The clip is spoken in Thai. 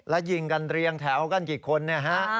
แล้วยิงกันเรียงแถวกันกี่คนเนี่ยฮะ